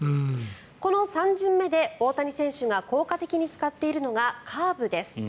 この３巡目で大谷選手が効果的に使っているのがカーブです。